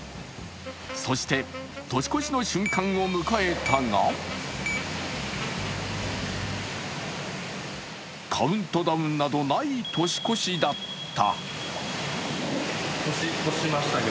そして年越しの瞬間を迎えたがカウントダウンなどない年越しだった。